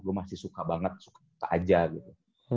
gue masih suka banget suka aja gitu